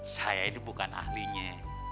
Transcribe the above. saya ini bukan ahlinya